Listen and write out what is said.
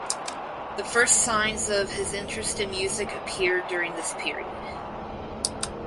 The first signs of his interest in music appeared during this period.